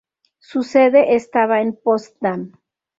Su sede estaba en Potsdam.